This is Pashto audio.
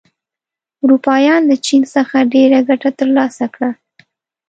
اروپایان له چین څخه ډېره ګټه تر لاسه کړه.